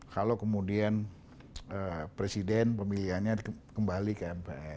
kalau kemudian presiden pemilihannya kembali ke mpr